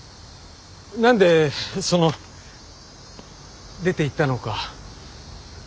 何でその出ていったのか。